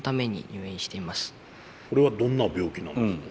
それはどんな病気なんですか？